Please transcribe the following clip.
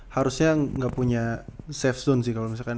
harusnya nggak punya safe zone sih kalau misalkan